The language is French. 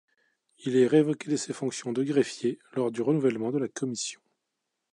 Il est révoqué de ses fonctions de greffier lors du renouvellement de la commission.